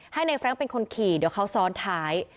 ให้ในแฟรงค์เป็นคนขี่เดี๋ยวเขาซ้อนท้าย